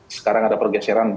sekarang ada pergeseran